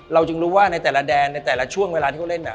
จึงรู้ว่าในแต่ละแดนในแต่ละช่วงเวลาที่เขาเล่นแบบ